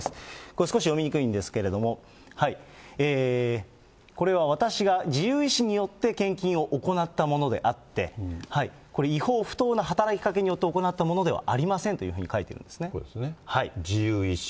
これ少し読みにくいんですけれども、これは私が自由意思によって献金を行ったものであって、これ違法・不当な働きかけによって行ったものではありませんとい自由意思。